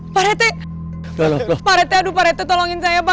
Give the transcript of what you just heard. pak rt pak rt aduh pak rt tolongin saya pak